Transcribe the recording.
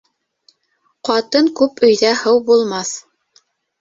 Ҡатын күп өйҙә һыу булмаҫ.